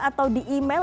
atau di email